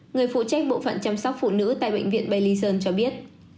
người phụ trách bộ phận chăm sóc phụ nữ tại bệnh viện bay linsen cho biết